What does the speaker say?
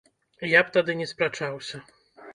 Я б тады не спрачаўся.